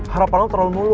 harapan lo terlalu mulu